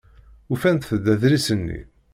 Ufant-d adlis-nni.